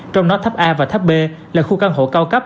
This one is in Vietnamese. trong đó tháp a và tháp b là khu căn hộ cao cấp